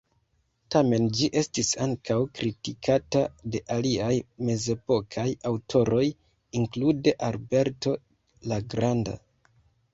Tamen ĝi estis ankaŭ kritikata de aliaj mezepokaj aŭtoroj, inklude Alberto la Granda.